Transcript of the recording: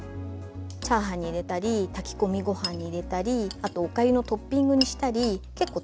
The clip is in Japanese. チャーハンに入れたり炊き込みご飯に入れたりあとおかゆのトッピングにしたり結構使いでがあります。